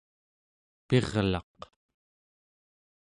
pirlaq